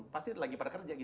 pasti lagi pada kerja gitu